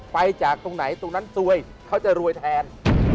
ไปจากตรงไหนตรงนั้นซวยเขาจะรวยแทน